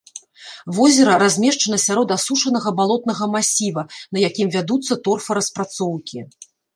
Возера размешчана сярод асушанага балотнага масіва, на якім вядуцца торфараспрацоўкі.